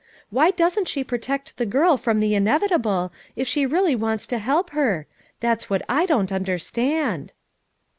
Why doesn't she protect the girl from the inevitable, if she really wants to help her? That's what I don't understand."